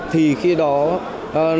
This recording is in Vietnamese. thì khi đó lời kha